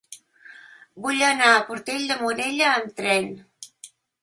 Vull anar a Portell de Morella amb tren.